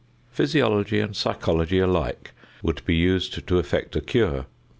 Physiology and psychology alike would be used to effect a cure.